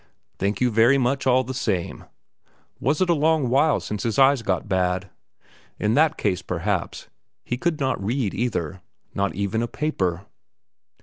Thank you very much all the same. Was it long since his eyes got bad? In that case, perhaps, he could not read either, not even a paper?